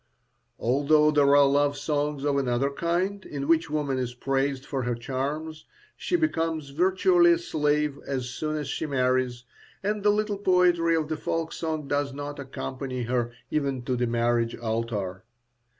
Although there are love songs of another kind, in which woman is praised for her charms, she becomes virtually a slave as soon as she marries, and the little poetry of the folk song does not accompany her even to the marriage altar.